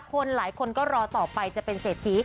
คนหลายคนก็รอต่อไปจะเป็นเศรษฐี